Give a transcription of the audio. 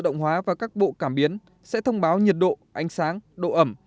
hệ thống hóa và các bộ cảm biến sẽ thông báo nhiệt độ ánh sáng độ ẩm